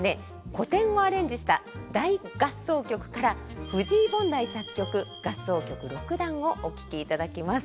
古典をアレンジした大合奏曲から藤井凡大作曲「合奏曲六段」をお聴きいただきます。